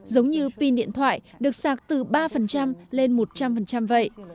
giống như pin điện thoại được sạc từ ba lên một trăm linh vậy